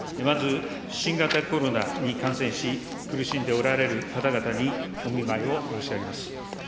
まず新型コロナに感染し、苦しんでおられる方々にお見舞いを申し上げます。